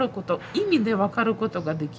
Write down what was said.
意味で分かることができるし。